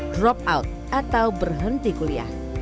drop out atau berhenti kuliah